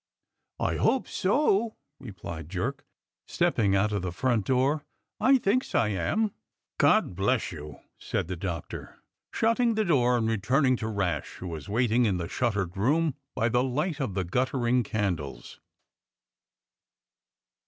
"I hope so," replied Jerk, stepping out of the front door. "I thinks I am!" "God bless you!" said the Doctor, shutting the door and returning to Rash, who was waiting in the shuttered room by the light of the guttering candles.